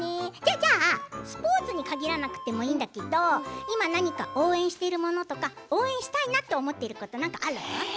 じゃあスポーツに限らなくてもいいんだけど今、何か応援しているものとか応援したいなと思っていること何かある？